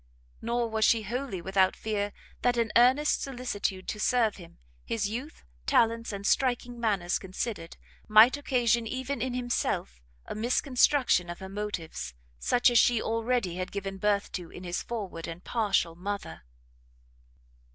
Nor was she wholly without fear that an earnest solicitude to serve him, his youth, talents, and striking manners considered, might occasion even in himself a misconstruction of her motives, such as she already had given birth to in his forward and partial mother.